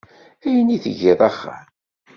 Ayen i tgiḍ axxam?